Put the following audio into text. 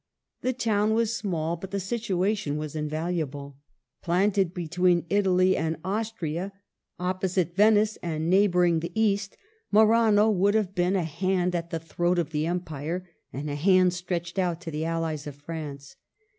The town was small, but the situation was invaluable. Planted between Italy and Austria, opposite Venice and neigh boring the East, Marano would have been a hand at the throat of the Empire, and a hand stretched out to the allies of France.